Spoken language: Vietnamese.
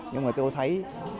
nhưng tôi thấy